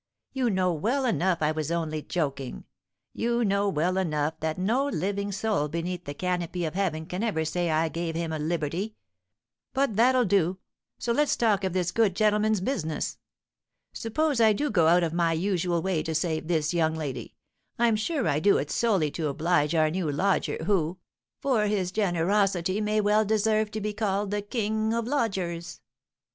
You know well enough I was only joking; you know well enough that no living soul beneath the canopy of heaven can ever say I gave him a liberty. But that'll do; so let's talk of this good gentleman's business. Suppose I do go out of my usual way to save this young lady, I'm sure I do it solely to oblige our new lodger, who, for his generosity, may well deserve to be called the king of lodgers."